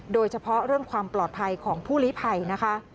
โดยเฉพาะเรื่องความปลอดภัยของผู้ลิภัยนะคะ